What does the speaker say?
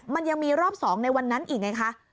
มันยังมีรอบ๒ในวันนั้นอีกไงคะ